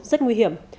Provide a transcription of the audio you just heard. rất nguy hiểm